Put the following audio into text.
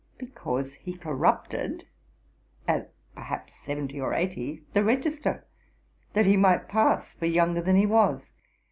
because he corrupted, at perhaps seventy or eighty, the register, that he might pass for younger than he was.